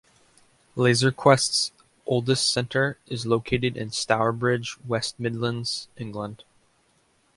Laser Quest's oldest centre is located in Stourbridge, West Midlands, England.